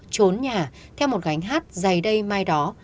trốn nhà theo một gánh hát dày đây mai đó